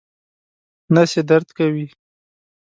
نس یې درد کوي